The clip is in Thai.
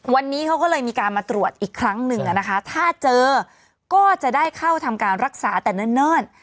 วันนี้เขาก็เลยมีการมาตรวจอีกครั้งหนึ่งนะคะถ้าเจอก็จะได้เข้าทำการรักษาแต่เนิ่น